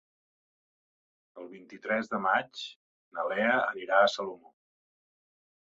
El vint-i-tres de maig na Lea anirà a Salomó.